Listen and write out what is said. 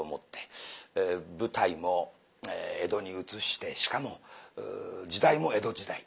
舞台も江戸に移してしかも時代も江戸時代。